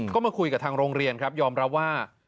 ก็มาคุยกับทางโรงเรียนครับยอมรับว่า